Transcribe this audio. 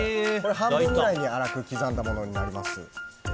半分くらいに粗く刻んだものになります。